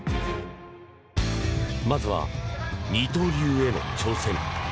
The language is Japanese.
まずは二刀流への挑戦。